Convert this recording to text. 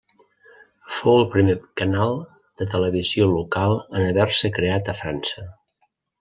Fou el primer canal de televisió local en haver-se creat a França.